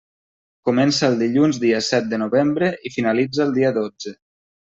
Comença el dilluns dia set de novembre i finalitza el dia dotze.